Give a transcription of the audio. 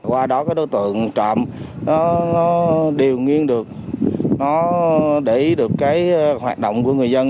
qua đó cái đối tượng trộm nó điều nghiên được nó để ý được cái hoạt động của người dân